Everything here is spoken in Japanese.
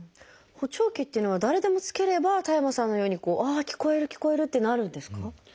補聴器っていうのは誰でも着ければ田山さんのように「ああ聞こえる聞こえる！」ってなるんですか？